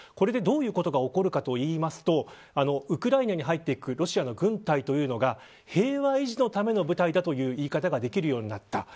どういうことが起きるかというとウクライナに入ってくるロシアの軍隊が平和維持のための部隊という言い方ができるようになった。